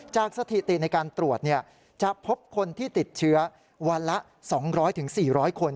สถิติในการตรวจจะพบคนที่ติดเชื้อวันละ๒๐๐๔๐๐คน